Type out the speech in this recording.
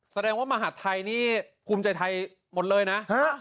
แสดงว่ามหัฒน์ไทยนี่คุ้มใจไทยหมดเลยนะ